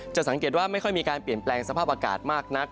สังเกตว่าไม่ค่อยมีการเปลี่ยนแปลงสภาพอากาศมากนัก